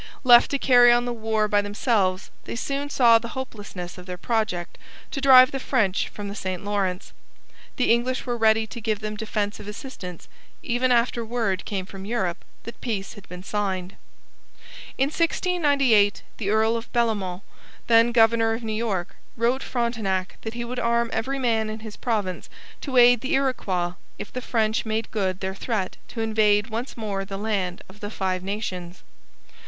Left to carry on the war by themselves, they soon saw the hopelessness of their project to drive the French from the St Lawrence. The English were ready to give them defensive assistance, even after word came from Europe that peace had been signed. In 1698 the Earl of Bellomont, then governor of New York, wrote Frontenac that he would arm every man in his province to aid the Iroquois if the French made good their threat to invade once more the land of the Five Nations.